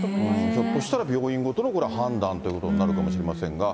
ひょっとしたら病院ごとの判断ということになるかもしれませんが。